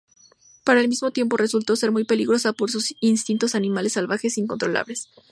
Pero al mismo tiempo, resultó ser muy peligrosa, por sus instintos animales salvajes incontrolables.